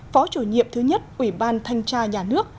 phó chủ nhiệm thứ nhất ủy ban thanh tra nhà nước